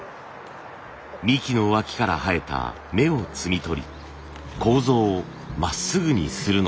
幹の脇から生えた芽を摘み取り楮をまっすぐにするのです。